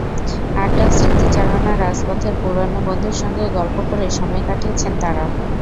আড্ডা, স্মৃতিচারণা, রাজপথের পুরোনো বন্ধুর সঙ্গে গল্প করে সময় কাটিয়েছেন তাঁরা।